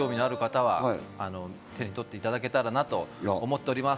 ご興味のある方は、手に取っていただけたらなと思っております。